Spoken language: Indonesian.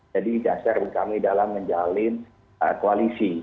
jadi dasar kami dalam menjalin koalisi